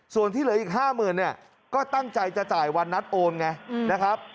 ส่วนที่เหลืออีก๕๐๐๐เนี่ยก็ตั้งใจจะจ่ายวันนัดโอนไงนะครับ